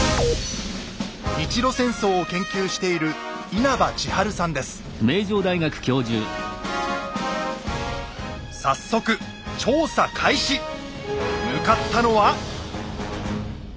日露戦争を研究している早速向かったのは。